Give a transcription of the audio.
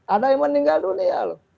ada yang meninggal dunia loh